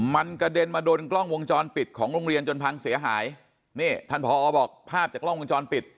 มันกระเด็นมาโดนกล้องวงจรปิดของโรงเรียนจนพังเสียหายนี่ท่านผอบอกภาพจากกล้องวงจรปิด